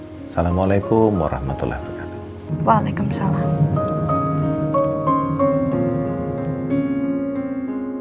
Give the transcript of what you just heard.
assalamualaikum warahmatullahi wabarakatuh